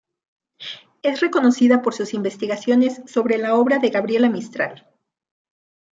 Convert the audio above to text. Es reconocida por sus investigaciones sobre la obra de Gabriela Mistral.